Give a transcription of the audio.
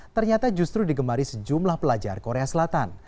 ternyata justru digemari sejumlah pelajar korea selatan